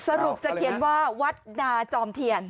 สรุปจะเขียนว่าวัดนาจอมเทียน